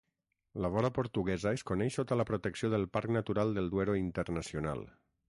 La vora portuguesa es coneix sota la protecció del Parc Natural del Duero Internacional.